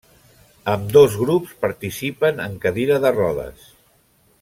Ambdós grups participen en cadira de rodes.